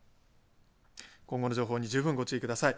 今後の情報に十分ご注意ください。